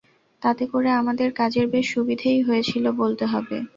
তাতে করে আমাদের কাজের বেশ সুবিধেই হয়েছিল বলতে হবে।